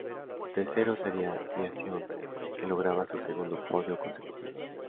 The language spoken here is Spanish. Tercero seria Biasion, que lograba su segundo podio consecutivo.